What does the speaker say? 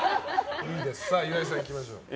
岩井さん、いきましょう。